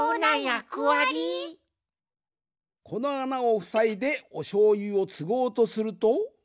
このあなをふさいでおしょうゆをつごうとすると。